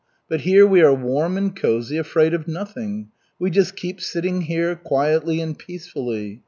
But here we are warm and cozy, afraid of nothing. We just keep sitting here, quietly and peacefully.